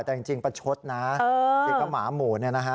แต่จริงปัจฉดนะที่ขมหาหมวดนี่นะฮะ